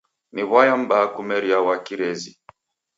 Ni w'aya m'baa kumeria wa kirezi!